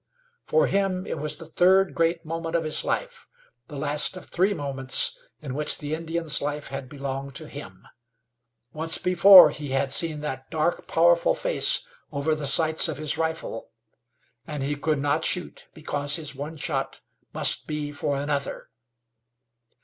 For him it was the third great moment of his life, the last of three moments in which the Indian's life had belonged to him. Once before he had seen that dark, powerful face over the sights of his rifle, and he could not shoot because his one shot must be for another.